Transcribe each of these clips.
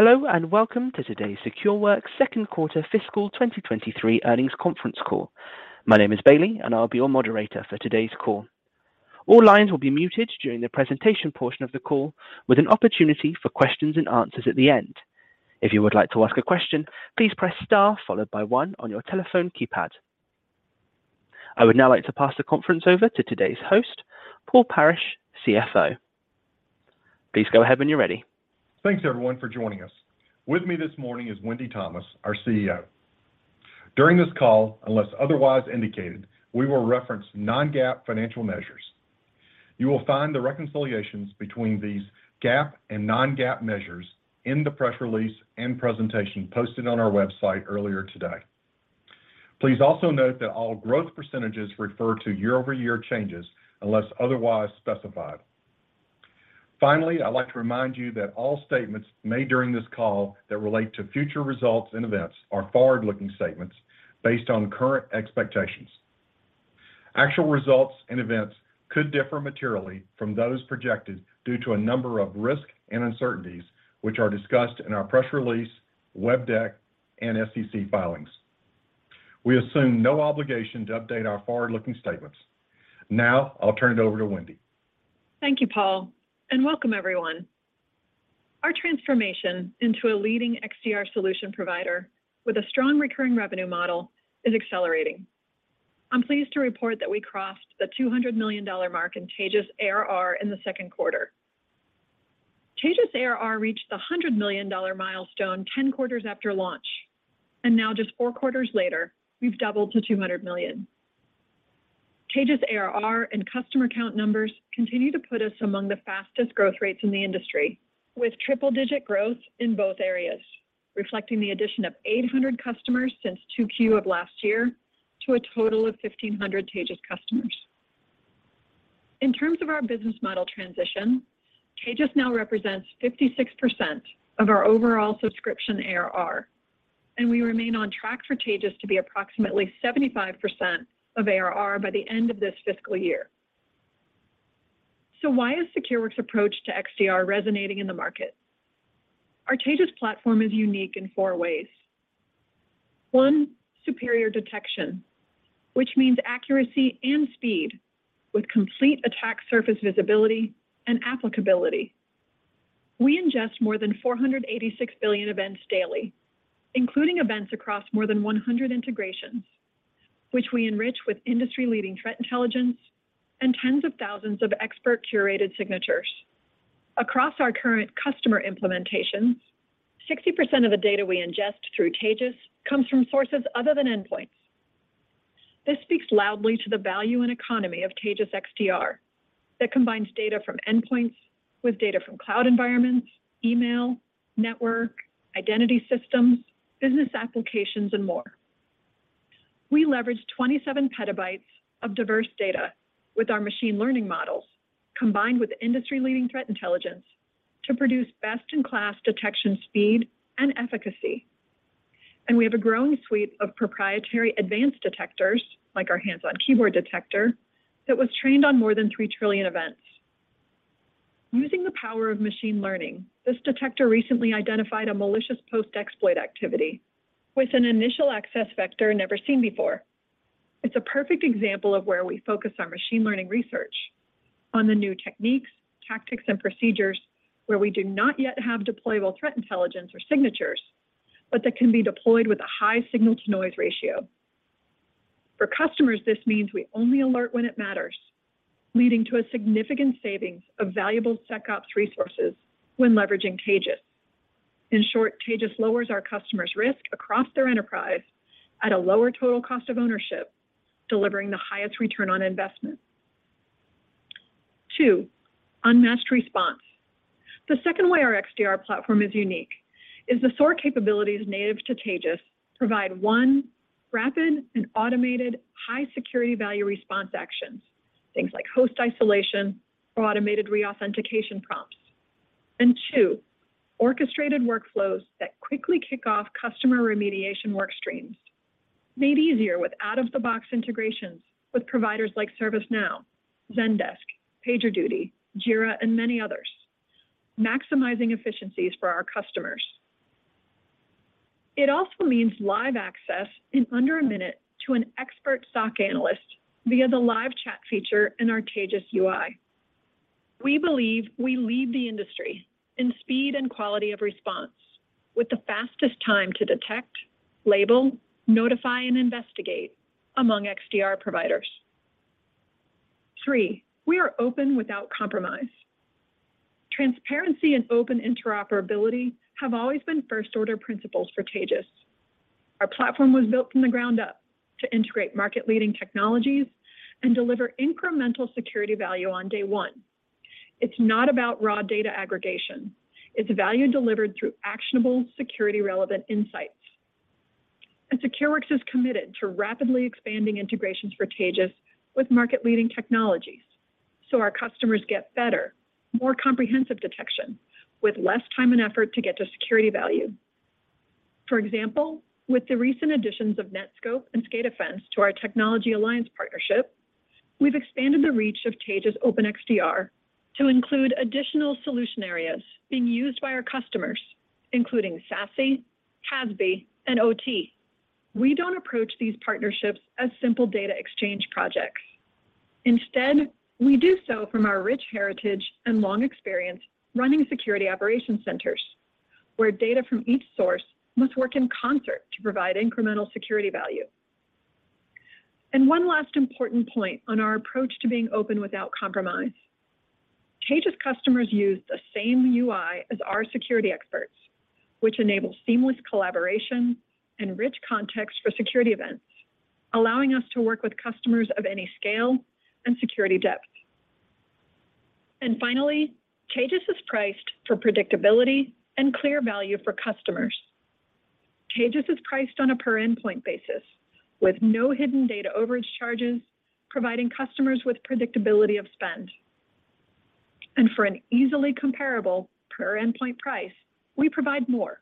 Hello and welcome to today's SecureWorks second quarter fiscal 2023 earnings conference call. My name is Bailey, and I'll be your moderator for today's call. All lines will be muted during the presentation portion of the call with an opportunity for questions and answers at the end. If you would like to ask a question, please press star followed by one on your telephone keypad. I would now like to pass the conference over to today's host, Paul Parrish, CFO. Please go ahead when you're ready. Thanks everyone for joining us. With me this morning is Wendy Thomas, our CEO. During this call, unless otherwise indicated, we will reference non-GAAP financial measures. You will find the reconciliations between these GAAP and non-GAAP measures in the press release and presentation posted on our website earlier today. Please also note that all growth percentages refer to year-over-year changes unless otherwise specified. Finally, I'd like to remind you that all statements made during this call that relate to future results and events are forward-looking statements based on current expectations. Actual results and events could differ materially from those projected due to a number of risks and uncertainties, which are discussed in our press release, web deck, and SEC filings. We assume no obligation to update our forward-looking statements. Now, I'll turn it over to Wendy. Thank you, Paul, and welcome everyone. Our transformation into a leading XDR solution provider with a strong recurring revenue model is accelerating. I'm pleased to report that we crossed the $200 million mark in Taegis ARR in the second quarter. Taegis ARR reached the $100 million milestone 10 quarters after launch, and now just four quarters later, we've doubled to $200 million. Taegis ARR and customer count numbers continue to put us among the fastest growth rates in the industry, with triple-digit growth in both areas, reflecting the addition of 800 customers since 2Q of last year to a total of 1,500 Taegis customers. In terms of our business model transition, Taegis now represents 56% of our overall subscription ARR, and we remain on track for Taegis to be approximately 75% of ARR by the end of this fiscal year. Why is SecureWorks' approach to XDR resonating in the market? Our Taegis platform is unique in four ways. One, superior detection, which means accuracy and speed with complete attack surface visibility and applicability. We ingest more than 486 billion events daily, including events across more than 100 integrations, which we enrich with industry-leading threat intelligence and tens of thousands of expert-curated signatures. Across our current customer implementations, 60% of the data we ingest through Taegis comes from sources other than endpoints. This speaks loudly to the value and economy of Taegis XDR that combines data from endpoints with data from cloud environments, email, network, identity systems, business applications, and more. We leverage 27 TB of diverse data with our machine learning models, combined with industry-leading threat intelligence, to produce best-in-class detection speed and efficacy. We have a growing suite of proprietary advanced detectors, like our hands-on keyboard detector, that was trained on more than 3 trillion events. Using the power of machine learning, this detector recently identified a malicious post-exploit activity with an initial access vector never seen before. It's a perfect example of where we focus our machine learning research on the new techniques, tactics, and procedures where we do not yet have deployable threat intelligence or signatures, but that can be deployed with a high signal-to-noise ratio. For customers, this means we only alert when it matters, leading to a significant savings of valuable SecOps resources when leveraging Taegis. In short, Taegis lowers our customers' risk across their enterprise at a lower total cost of ownership, delivering the highest return on investment. Two, unmatched response. The second way our XDR platform is unique is the SOAR capabilities native to Taegis provide, one, rapid and automated high security value response actions, things like host isolation or automated re-authentication prompts, and two, orchestrated workflows that quickly kick off customer remediation work streams, made easier with out-of-the-box integrations with providers like ServiceNow, Zendesk, PagerDuty, Jira, and many others, maximizing efficiencies for our customers. It also means live access in under a minute to an expert SOC analyst via the live chat feature in our Taegis UI. We believe we lead the industry in speed and quality of response with the fastest time to detect, label, notify, and investigate among XDR providers. Three, we are open without compromise. Transparency and open interoperability have always been first-order principles for Taegis. Our platform was built from the ground up to integrate market-leading technologies and deliver incremental security value on day one. It's not about raw data aggregation. It's value delivered through actionable security-relevant insights. SecureWorks is committed to rapidly expanding integrations for Taegis with market-leading technologies, so our customers get better, more comprehensive detection with less time and effort to get to security value. For example, with the recent additions of Netskope and SCADAfence to our technology alliance partnership, we've expanded the reach of Taegis OpenXDR to include additional solution areas being used by our customers, including SASE, CASB, and OT. We don't approach these partnerships as simple data exchange projects. Instead, we do so from our rich heritage and long experience running security operation centers, where data from each source must work in concert to provide incremental security value. One last important point on our approach to being open without compromise. Taegis customers use the same UI as our security experts, which enables seamless collaboration and rich context for security events, allowing us to work with customers of any scale and security depth. Finally, Taegis is priced for predictability and clear value for customers. Taegis is priced on a per-endpoint basis with no hidden data overage charges, providing customers with predictability of spend. For an easily comparable per-endpoint price, we provide more,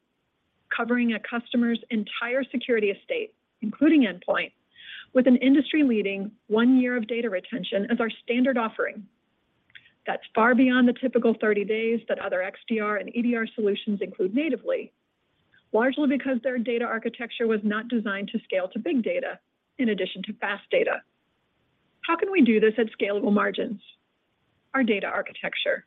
covering a customer's entire security estate, including endpoint, with an industry-leading one year of data retention as our standard offering. That's far beyond the typical 30 days that other XDR and EDR solutions include natively, largely because their data architecture was not designed to scale to big data in addition to fast data. How can we do this at scalable margins? Our data architecture.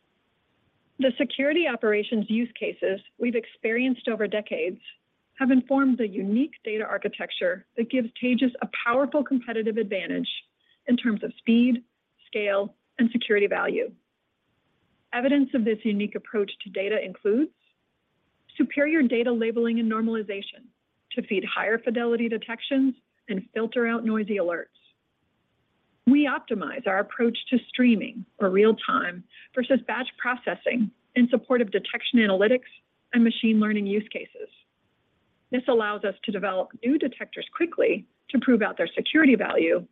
The security operations use cases we've experienced over decades have informed a unique data architecture that gives Taegis a powerful competitive advantage in terms of speed, scale, and security value. Evidence of this unique approach to data includes superior data labeling and normalization to feed higher fidelity detections and filter out noisy alerts. We optimize our approach to streaming or real-time versus batch processing in support of detection analytics and machine learning use cases. This allows us to develop new detectors quickly to prove out their security value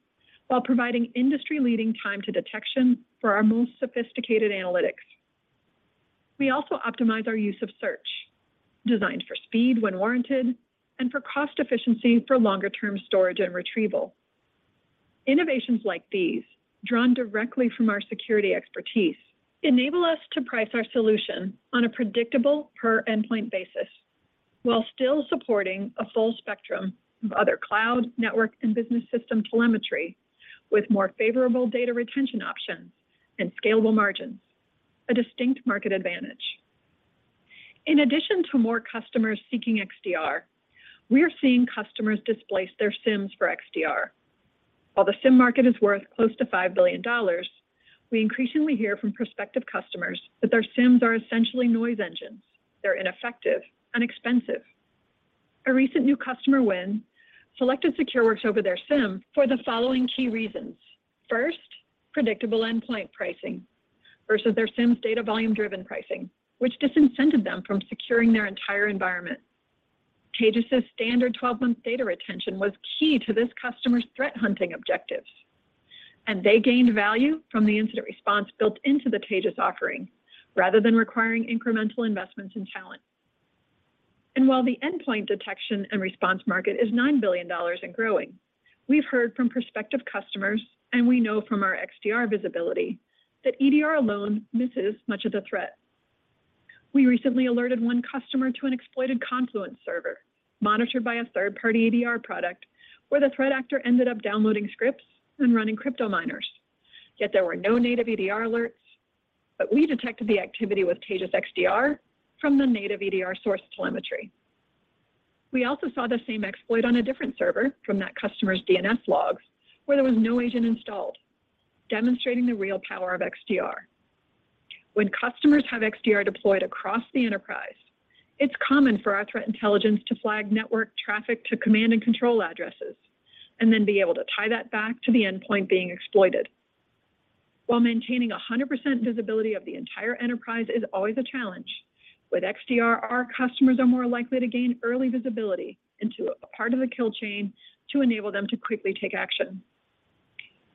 while providing industry-leading time to detection for our most sophisticated analytics. We also optimize our use of search, designed for speed when warranted and for cost efficiency for longer-term storage and retrieval. Innovations like these, drawn directly from our security expertise, enable us to price our solution on a predictable per-endpoint basis while still supporting a full spectrum of other cloud, network, and business system telemetry with more favorable data retention options and scalable margins, a distinct market advantage. In addition to more customers seeking XDR, we are seeing customers displace their SIEMs for XDR. W`hile the SIEM market is worth close to $5 billion, we increasingly hear from prospective customers that their SIEMs are essentially noise engines. They're ineffective and expensive. A recent new customer win selected Secureworks over their SIEM for the following key reasons. First, predictable endpoint pricing versus their SIEM's data volume-driven pricing, which disincentivized them from securing their entire environment. Taegis' standard twelve-month data retention was key to this customer's threat hunting objectives, and they gained value from the incident response built into the Taegis offering rather than requiring incremental investments and talent. While the endpoint detection and response market is $9 billion and growing, we've heard from prospective customers, and we know from our XDR visibility, that EDR alone misses much of the threat. We recently alerted one customer to an exploited Confluence server monitored by a third-party EDR product where the threat actor ended up downloading scripts and running crypto miners, yet there were no native EDR alerts, but we detected the activity with Taegis XDR from the native EDR source telemetry. We also saw the same exploit on a different server from that customer's DNS logs where there was no agent installed, demonstrating the real power of XDR. When customers have XDR deployed across the enterprise, it's common for our threat intelligence to flag network traffic to command and control addresses and then be able to tie that back to the endpoint being exploited. While maintaining 100% visibility of the entire enterprise is always a challenge, with XDR, our customers are more likely to gain early visibility into a part of the kill chain to enable them to quickly take action.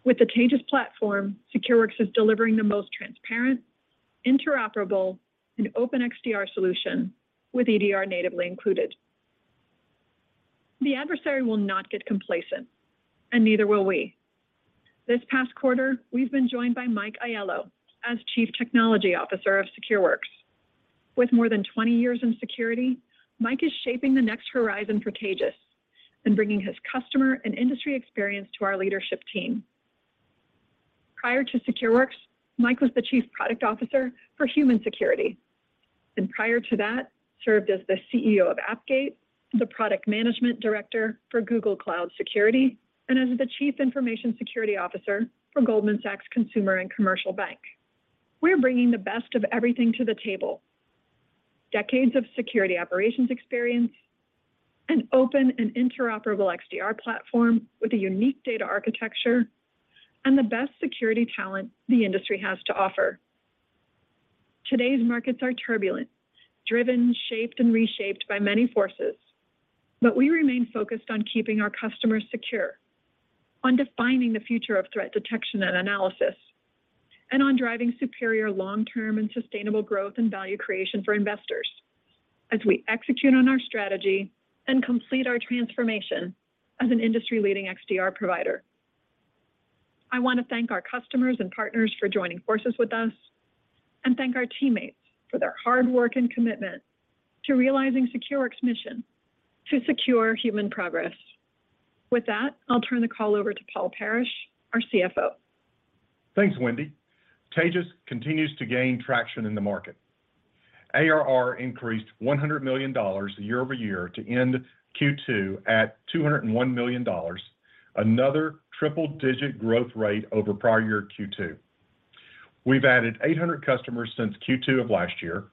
With the Taegis platform, Secureworks is delivering the most transparent, interoperable, and open XDR solution with EDR natively included. The adversary will not get complacent, and neither will we. This past quarter, we've been joined by Mike Aiello as Chief Technology Officer of Secureworks. With more than 20 years in security, Mike is shaping the next horizon for Taegis and bringing his customer and industry experience to our leadership team. Prior to Secureworks, Mike was the Chief Product Officer for HUMAN Security, and prior to that, served as the CEO of Appgate, the Product Management Director for Google Cloud Security, and as the Chief Information Security Officer for Goldman Sachs Consumer and Commercial Bank. We're bringing the best of everything to the table. Decades of security operations experience, an open and interoperable XDR platform with a unique data architecture, and the best security talent the industry has to offer. Today's markets are turbulent, driven, shaped, and reshaped by many forces, but we remain focused on keeping our customers secure. On defining the future of threat detection and analysis, and on driving superior long-term and sustainable growth and value creation for investors as we execute on our strategy and complete our transformation as an industry-leading XDR provider. I want to thank our customers and partners for joining forces with us, and thank our teammates for their hard work and commitment to realizing SecureWorks' mission to secure human progress. With that, I'll turn the call over to Paul Parrish, our CFO. Thanks, Wendy. Taegis continues to gain traction in the market. ARR increased $100 million year-over-year to end Q2 at $201 million, another triple-digit growth rate over prior year Q2. We've added 800 customers since Q2 of last year,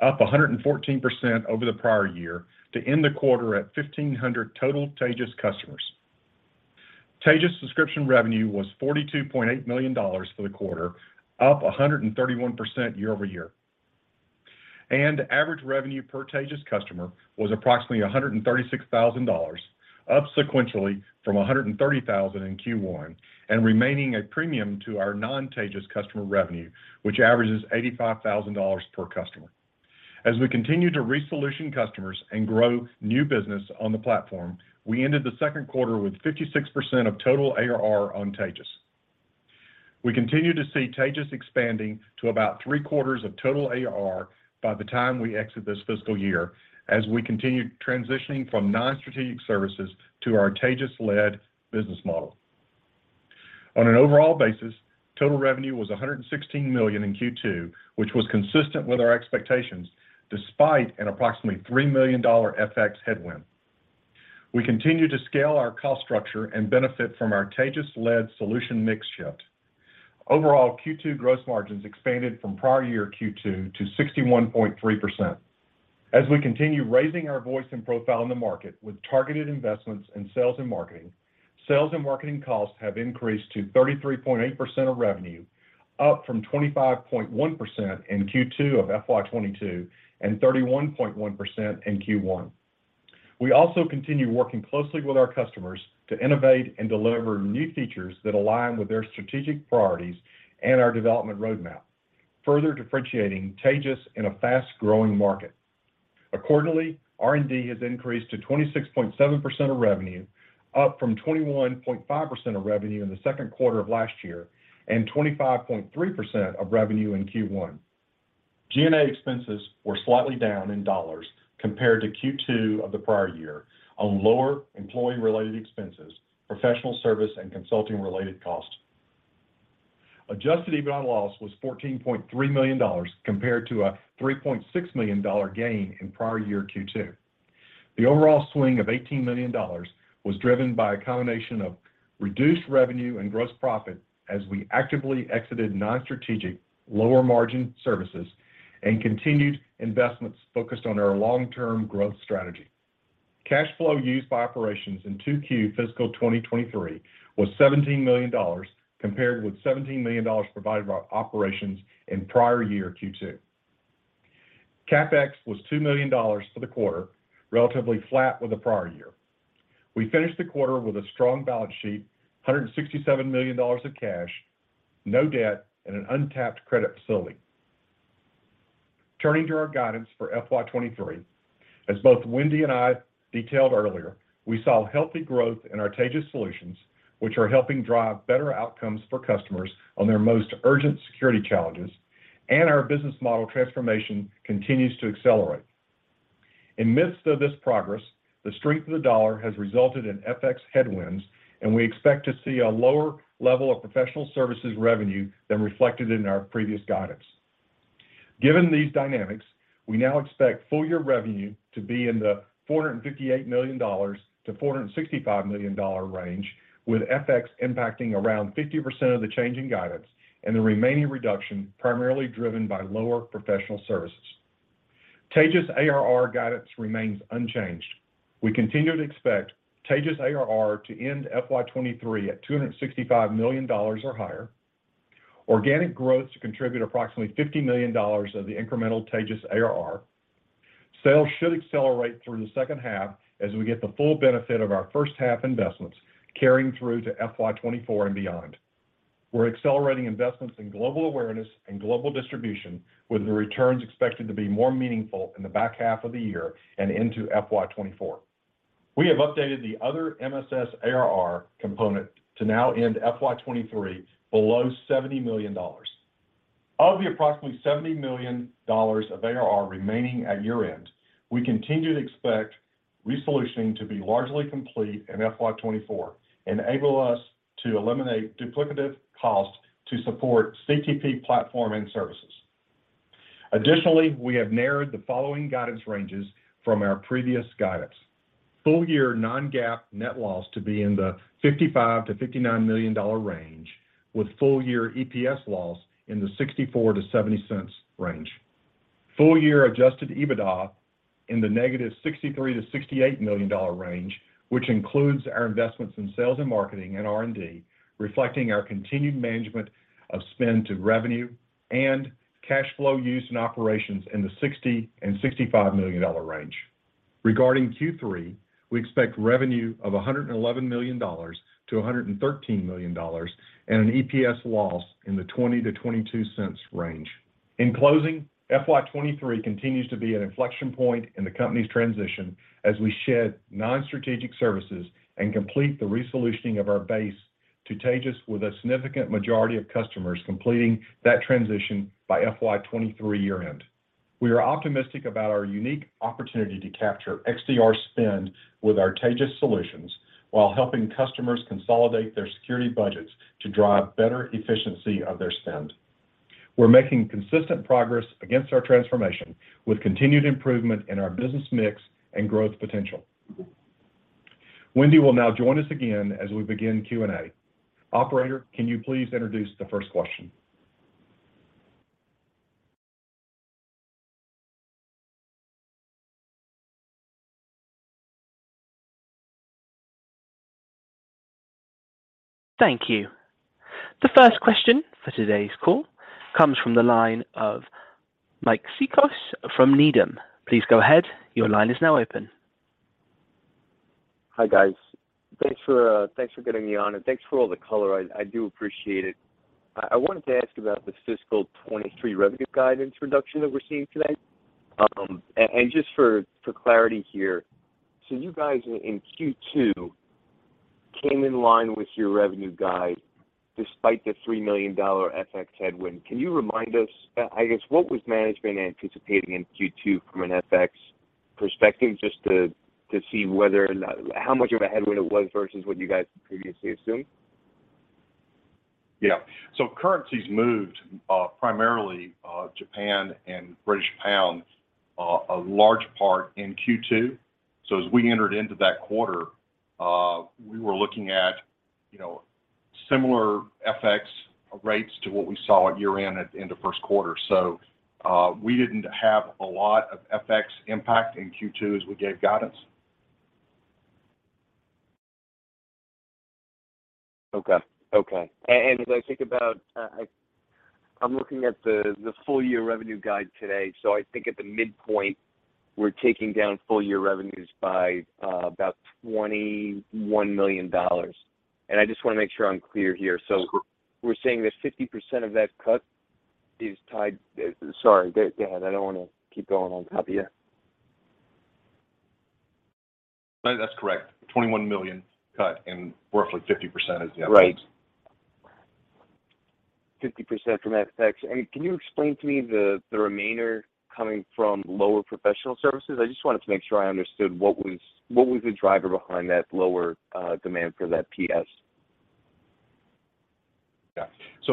up 114% over the prior year to end the quarter at 1,500 total Taegis customers. Taegis subscription revenue was $42.8 million for the quarter, up 131% year-over-year. Average revenue per Taegis customer was approximately $136,000, up sequentially from $130,000 in Q1 and remaining a premium to our non-Taegis customer revenue, which averages $85,000 per customer. As we continue to acquire customers and grow new business on the platform, we ended the second quarter with 56% of total ARR on Taegis. We continue to see Taegis expanding to about three-quarters of total ARR by the time we exit this fiscal year as we continue transitioning from non-strategic services to our Taegis-led business model. On an overall basis, total revenue was $116 million in Q2, which was consistent with our expectations despite an approximately $3 million FX headwind. We continue to scale our cost structure and benefit from our Taegis-led solution mix shift. Overall, Q2 gross margins expanded from prior year Q2 to 61.3%. As we continue raising our voice and profile in the market with targeted investments in sales and marketing, sales and marketing costs have increased to 33.8% of revenue, up from 25.1% in Q2 of FY 2022 and 31.1% in Q1. We also continue working closely with our customers to innovate and deliver new features that align with their strategic priorities and our development roadmap, further differentiating Taegis in a fast-growing market. Accordingly, R&D has increased to 26.7% of revenue, up from 21.5% of revenue in the second quarter of last year and 25.3% of revenue in Q1. G&A expenses were slightly down in dollars compared to Q2 of the prior year on lower employee-related expenses, professional service, and consulting-related costs. Adjusted EBITDA loss was $14.3 million compared to a $3.6 million gain in prior year Q2. The overall swing of $18 million was driven by a combination of reduced revenue and gross profit as we actively exited non-strategic, lower-margin services and continued investments focused on our long-term growth strategy. Cash flow used by operations in 2Q fiscal 2023 was $17 million, compared with $17 million provided by operations in prior year Q2. CapEx was $2 million for the quarter, relatively flat with the prior year. We finished the quarter with a strong balance sheet, $167 million of cash, no debt, and an untapped credit facility. Turning to our guidance for FY 2023, as both Wendy and I detailed earlier, we saw healthy growth in our Taegis solutions, which are helping drive better outcomes for customers on their most urgent security challenges, and our business model transformation continues to accelerate. In the midst of this progress, the strength of the dollar has resulted in FX headwinds, and we expect to see a lower level of professional services revenue than reflected in our previous guidance. Given these dynamics, we now expect full year revenue to be in the $458 million-$465 million range, with FX impacting around 50% of the change in guidance and the remaining reduction primarily driven by lower professional services. Taegis ARR guidance remains unchanged. We continue to expect Taegis ARR to end FY 2023 at $265 million or higher. Organic growth to contribute approximately $50 million of the incremental Taegis ARR. Sales should accelerate through the second half as we get the full benefit of our first half investments carrying through to FY 2024 and beyond. We're accelerating investments in global awareness and global distribution, with the returns expected to be more meaningful in the back half of the year and into FY 2024. We have updated the other MSS ARR component to now end FY 2023 below $70 million. Of the approximately $70 million of ARR remaining at year-end, we continue to expect resolution to be largely complete in FY 2024, enable us to eliminate duplicative costs to support CTP platform and services. Additionally, we have narrowed the following guidance ranges from our previous guidance. Full year non-GAAP net loss to be in the $55 million-$59 million range, with full year EPS loss in the $0.64-$0.70 range. Full year adjusted EBITDA in the negative $63 million-$68 million range, which includes our investments in sales and marketing and R&D, reflecting our continued management of spend to revenue and cash flow used in operations in the $60 million-$65 million range. Regarding Q3, we expect revenue of $111 million-$113 million and an EPS loss in the $0.20-$0.22 range. In closing, FY 2023 continues to be an inflection point in the company's transition as we shed non-strategic services and complete the repositioning of our base to Taegis with a significant majority of customers completing that transition by FY 2023 year-end. We are optimistic about our unique opportunity to capture XDR spend with our Taegis solutions while helping customers consolidate their security budgets to drive better efficiency of their spend. We're making consistent progress against our transformation with continued improvement in our business mix and growth potential. Wendy will now join us again as we begin Q&A. Operator, can you please introduce the first question? Thank you. The first question for today's call comes from the line of Mike Cikos from Needham. Please go ahead. Your line is now open. Hi, guys. Thanks for getting me on, and thanks for all the color. I do appreciate it. I wanted to ask about the fiscal 2023 revenue guide introduction that we're seeing today. Just for clarity here, so you guys in Q2 came in line with your revenue guide despite the $3 million FX headwind. Can you remind us, I guess, what was management anticipating in Q2 from an FX perspective, just to see whether or not how much of a headwind it was versus what you guys previously assumed? Yeah. Currencies moved primarily Japan and British Pound a large part in Q2. As we entered into that quarter, we were looking at similar FX rates to what we saw at year-end in the first quarter. We didn't have a lot of FX impact in Q2 as we gave guidance. As I think about, I'm looking at the full-year revenue guide today. I think at the midpoint we're taking down full-year revenues by about $21 million. I just wanna make sure I'm clear here. Sure. We're saying that 50% of that cut is tied. Sorry, go ahead. I don't wanna keep going on top of you. No, that's correct. $21 million cut and roughly 50% is the FX. Right. 50% from FX. Can you explain to me the remainder coming from lower professional services? I just wanted to make sure I understood what was the driver behind that lower demand for that PS. Yeah.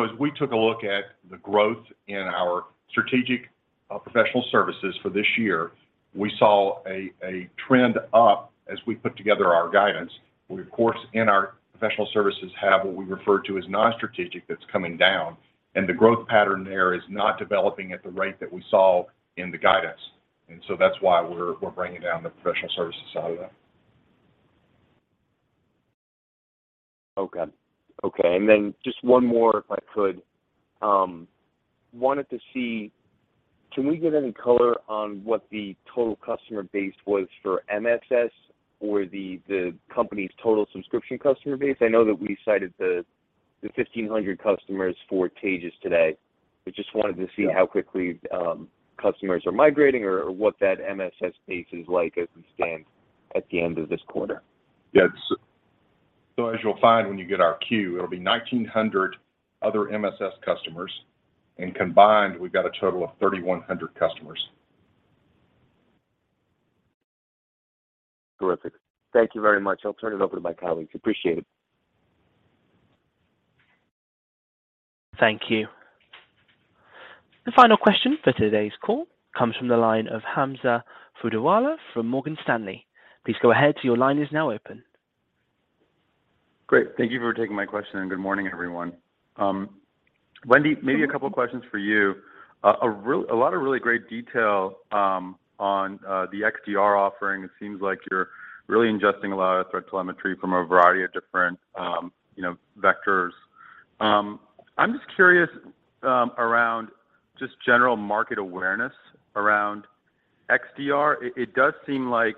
As we took a look at the growth in our strategic professional services for this year, we saw a trend up as we put together our guidance. We, of course, in our professional services have what we refer to as non-strategic that's coming down, and the growth pattern there is not developing at the rate that we saw in the guidance. That's why we're bringing down the professional services side of that. Okay. Just one more, if I could. Wanted to see, can we get any color on what the total customer base was for MSS or the company's total subscription customer base? I know that we cited the 1,500 customers for Taegis today. I just wanted to Yeah See how quickly, customers are migrating or what that MSS base is like as we stand at the end of this quarter. It's as you'll find when you get our Q, it'll be 1,900 other MSS customers, and combined we've got a total of 3,100 customers. Terrific. Thank you very much. I'll turn it over to my colleagues. Appreciate it. Thank you. The final question for today's call comes from the line of Hamza Fodderwala from Morgan Stanley. Please go ahead. Your line is now open. Great. Thank you for taking my question, and good morning, everyone. Wendy, maybe a couple of questions for you. A lot of really great detail on the XDR offering. It seems like you're really ingesting a lot of threat telemetry from a variety of different vectors. I'm just curious around just general market awareness around XDR. It does seem like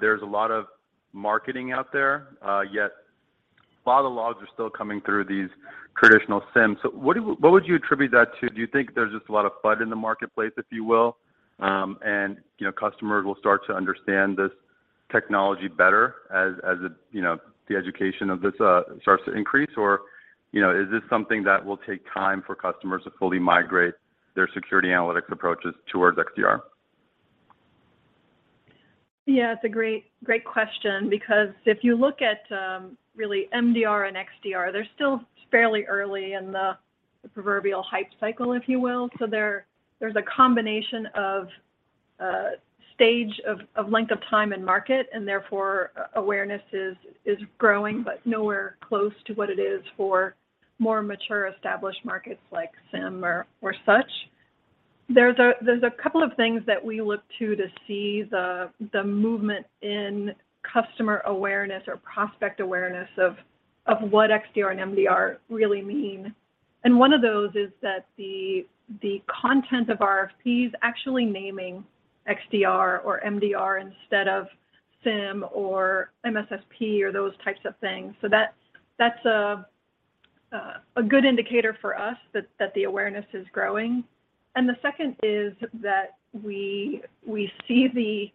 there's a lot of marketing out there, yet a lot of the logs are still coming through these traditional SIEMs. So what would you attribute that to? Do you think there's just a lot of FUD in the marketplace, if you will, and customers will start to understand this technology better as the education of this starts to increase? Is this something that will take time for customers to fully migrate their security analytics approaches towards XDR? Yeah. It's a great question because if you look at, really MDR and XDR, they're still fairly early in the proverbial hype cycle, if you will. There's a combination of, stage of length of time in market, and therefore awareness is growing, but nowhere close to what it is for more mature, established markets like SIEM or such. There's a couple of things that we look to see the movement in customer awareness or prospect awareness of what XDR and MDR really mean. One of those is that the content of RFPs actually naming XDR or MDR instead of SIEM or MSSP or those types of things. That's a good indicator for us that the awareness is growing. The second is that we see the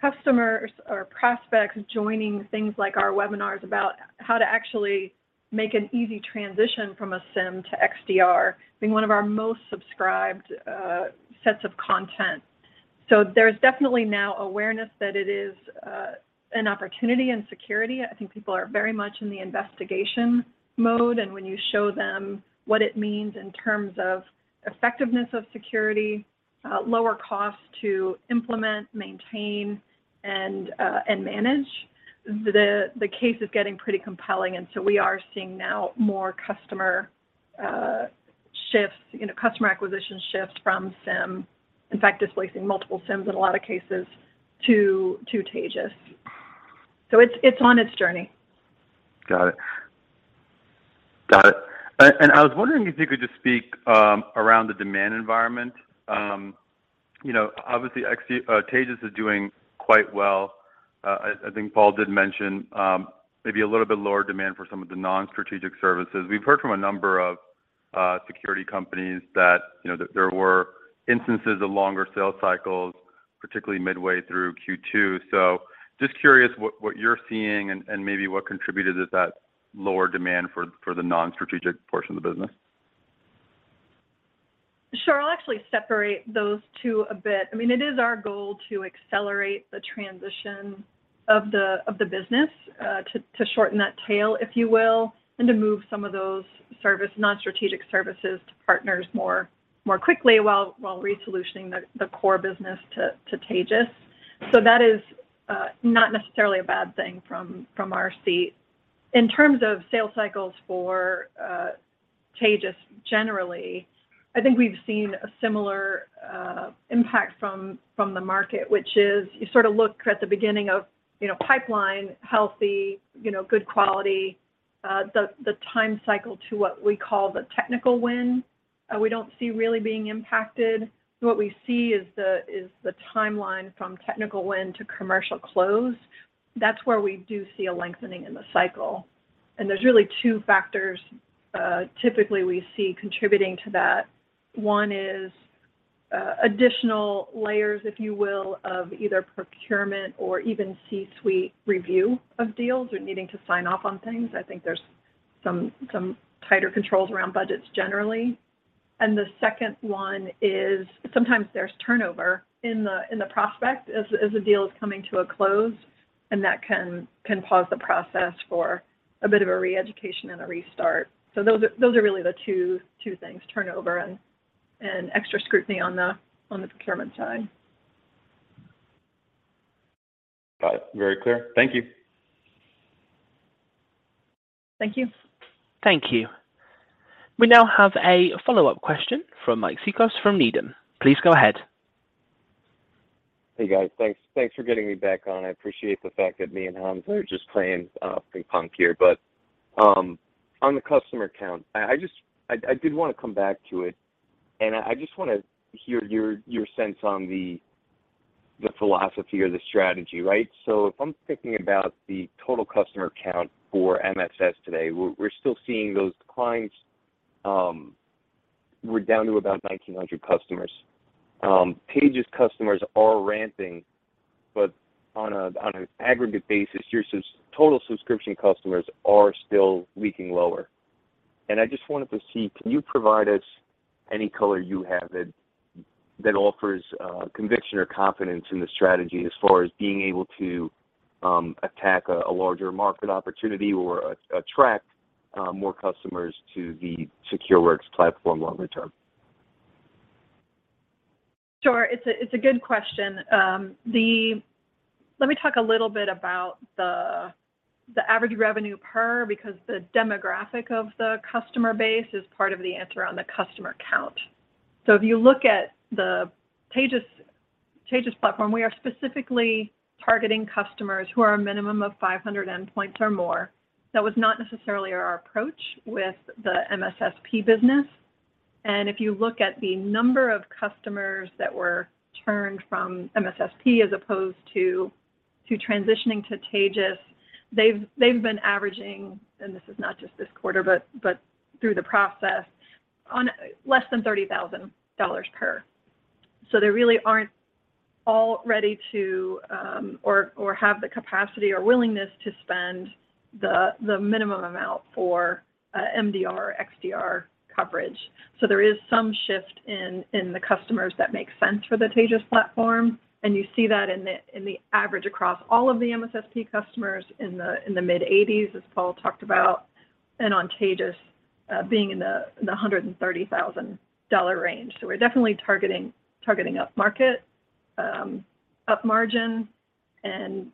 customers or prospects joining things like our webinars about how to actually make an easy transition from a SIEM to XDR being one of our most subscribed sets of content. There's definitely now awareness that it is an opportunity in security. I think people are very much in the investigation mode, and when you show them what it means in terms of effectiveness of security, lower cost to implement, maintain, and manage, the case is getting pretty compelling. We are seeing now more customer shifts customer acquisition shift from SIEM, in fact, displacing multiple SIEMs in a lot of cases to Taegis. It's on its journey. Got it. And I was wondering if you could just speak around the demand environment. Obviously Taegis is doing quite well. I think Paul did mention maybe a little bit lower demand for some of the non-strategic services. We've heard from a number of security companies that there were instances of longer sales cycles, particularly midway through Q2. Just curious what you're seeing and maybe what contributed to that lower demand for the non-strategic portion of the business. Sure. I'll actually separate those two a bit. I mean, it is our goal to accelerate the transition of the business to shorten that tail, if you will, and to move some of those service non-strategic services to partners more quickly while resourcing the core business to Taegis. That is not necessarily a bad thing from our seat. In terms of sales cycles for Taegis generally, I think we've seen a similar impact from the market, which is you sort of look at the beginning of pipeline healthy good quality. The time cycle to what we call the technical win, we don't see really being impacted. What we see is the timeline from technical win to commercial close. That's where we do see a lengthening in the cycle. There's really two factors typically we see contributing to that. One is additional layers, if you will, of either procurement or even C-suite review of deals or needing to sign off on things. I think there's some tighter controls around budgets generally. The second one is sometimes there's turnover in the prospect as a deal is coming to a close, and that can pause the process for a bit of a re-education and a restart. Those are really the two things, turnover and extra scrutiny on the procurement side. Got it. Very clear. Thank you. Thank you. Thank you. We now have a follow-up question from Mike Cikos from Needham. Please go ahead. Hey, guys. Thanks for getting me back on. I appreciate the fact that me and Hans are just playing pretty punk here. On the customer count, I just did wanna come back to it, and I just wanna hear your sense on the philosophy or the strategy. If I'm thinking about the total customer count for MSS today, we're still seeing those declines. We're down to about 1,900 customers. Taegis customers are ramping, but on an aggregate basis, your subtotal subscription customers are still leaking lower. I just wanted to see, can you provide us any color you have that offers conviction or confidence in the strategy as far as being able to attack a larger market opportunity or attract more customers to the SecureWorks platform longer term? Sure. It's a good question. Let me talk a little bit about the average revenue per, because the demographic of the customer base is part of the answer on the customer count. If you look at the Taegis platform, we are specifically targeting customers who are a minimum of 500 endpoints or more. That was not necessarily our approach with the MSSP business. If you look at the number of customers that were turned from MSSP as opposed to transitioning to Taegis, they've been averaging, and this is not just this quarter, but through the process, on less than $30,000 per. They really aren't ready to, or have the capacity or willingness to spend the minimum amount for MDR or XDR coverage. There is some shift in the customers that make sense for the Taegis platform. You see that in the average across all of the MSSP customers in the mid-$80,000s, as Paul talked about, and on Taegis being in the $130,000 range. We're definitely targeting upmarket, higher-margin, and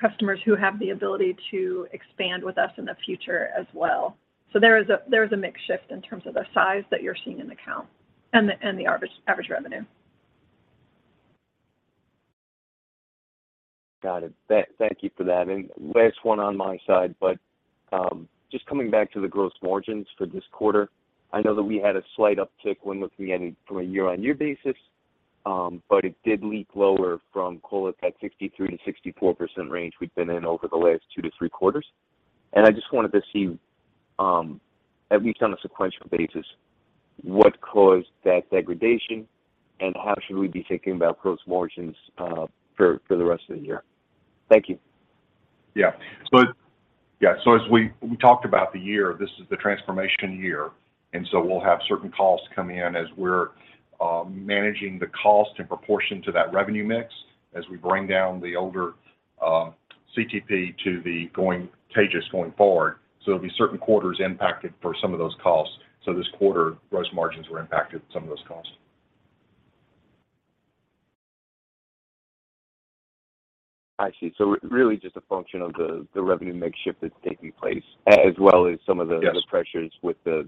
customers who have the ability to expand with us in the future as well. There is a mix shift in terms of the size that you're seeing in the count and the average revenue. Got it. Thank you for that. Last one on my side, but just coming back to the gross margins for this quarter, I know that we had a slight uptick when looking at it from a year-on-year basis, but it did leak lower from call it that 63%-64% range we've been in over the last 2-3 quarters. I just wanted to see, at least on a sequential basis, what caused that degradation and how should we be thinking about gross margins for the rest of the year? Thank you. Yeah, as we talked about the year, this is the transformation year, and we'll have certain costs come in as we're managing the cost in proportion to that revenue mix as we bring down the older CTP to Taegis going forward. There'll be certain quarters impacted for some of those costs. This quarter, gross margins were impacted some of those costs. I see. Really just a function of the revenue mix shift that's taking place, as well as some of the. Yes ...the pressures with the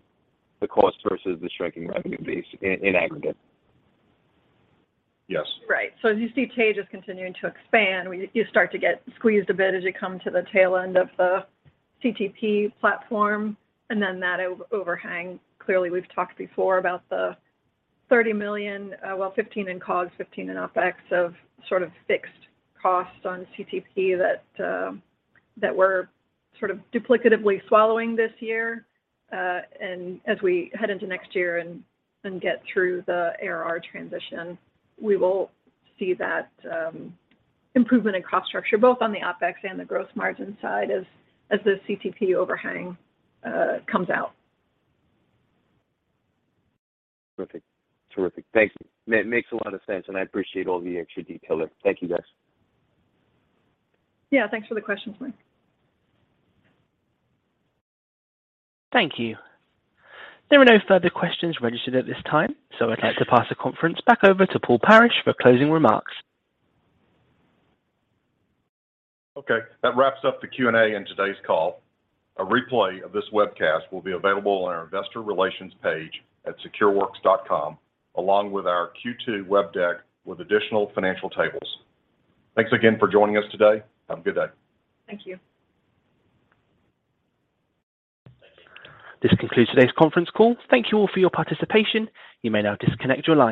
cost versus the shrinking revenue base in aggregate. Yes. Right. As you see TEJAS continuing to expand, you start to get squeezed a bit as you come to the tail end of the CTP platform, and then that overhang. Clearly, we've talked before about the $30 million, $15 million in COGS, $15 million in OpEx of sort of fixed costs on CTP that we're sort of duplicatively swallowing this year. As we head into next year and get through the ARR transition, we will see that improvement in cost structure both on the OpEx and the gross margin side as the CTP overhang comes out. Terrific. Thanks. Makes a lot of sense, and I appreciate all the extra detail there. Thank you, guys. Yeah, thanks for the question, Mike. Thank you. There are no further questions registered at this time, so I'd like to pass the conference back over to Paul Parish for closing remarks. Okay. That wraps up the Q&A in today's call. A replay of this webcast will be available on our investor relations page at secureworks.com, along with our Q2 web deck with additional financial tables. Thanks again for joining us today. Have a good day. Thank you. Thank you. This concludes today's conference call. Thank you all for your participation. You may now disconnect your lines.